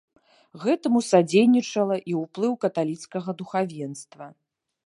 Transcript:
Гэтаму садзейнічала і ўплыў каталіцкага духавенства.